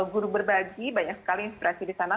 guru berbagi banyak sekali inspirasi disana